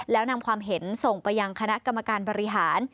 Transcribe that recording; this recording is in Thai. แล้วนำความเห็นส่งไปยังคณะกรรมการบริหาร